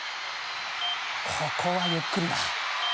ここはゆっくりだ。